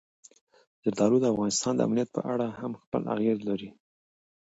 زردالو د افغانستان د امنیت په اړه هم خپل اغېز لري.